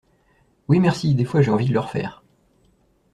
Oui merci, des fois j'ai envie de le refaire.